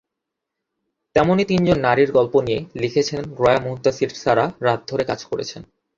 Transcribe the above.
তেমনই তিনজন নারীর গল্প নিয়ে লিখেছেন রয়া মুনতাসীরসারা রাত ধরে কাজ করেছেন।